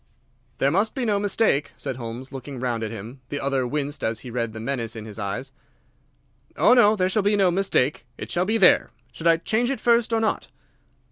"There must be no mistake," said Holmes, looking round at him. The other winced as he read the menace in his eyes. "Oh no, there shall be no mistake. It shall be there. Should I change it first or not?"